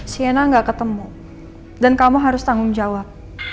sienna gak ketemu dan kamu harus tanggung jawab